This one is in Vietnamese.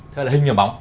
thế là hình ở bóng